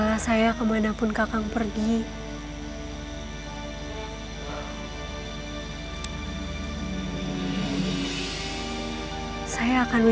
nyai gak akan tahu